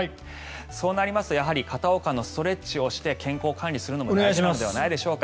そうなりますとやはり片岡のストレッチをして健康管理するのも大事なのではないでしょうか。